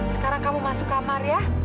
sekarang kamu masuk kamar ya